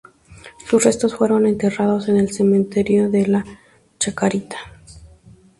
Sus restos fueron enterrados en el Cementerio de la Chacarita.